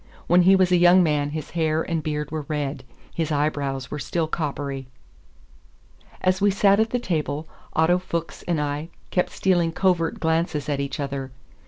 When he was a young man his hair and beard were red; his eyebrows were still coppery. As we sat at the table Otto Fuchs and I kept stealing covert glances at each other.